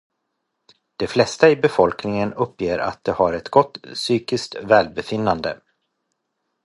De flesta i befolkningen uppger att de har ett gott psykiskt välbefinnande.